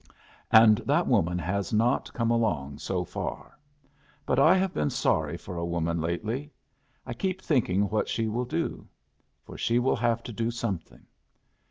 And that woman has not come along so far. But I have been sorry for a woman lately. I keep thinking what she will do. For she will have to do something.